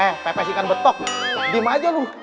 eh pepes ikan betok dihentikan aja lo